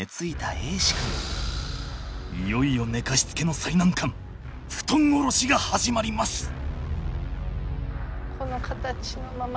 いよいよ寝かしつけの最難関布団降ろしが始まります！